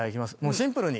シンプルに。